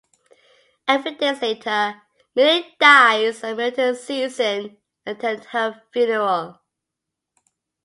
A few days later, Milly dies and Merton and Susan attend her funeral.